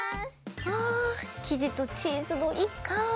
あきじとチーズのいいかおり！